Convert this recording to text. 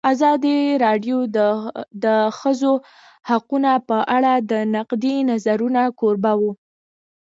ازادي راډیو د د ښځو حقونه په اړه د نقدي نظرونو کوربه وه.